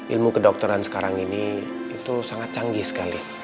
ilmu kedokteran sekarang ini itu sangat canggih sekali